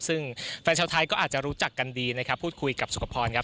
ซึ่งแฟนชาวไทยก็อาจจะรู้จักกันดีนะครับพูดคุยกับสุขพรครับ